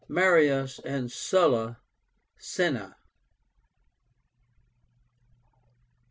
MARIUS AND SULLA. CINNA.